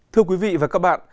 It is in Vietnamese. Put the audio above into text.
thưa quý vị và các bạn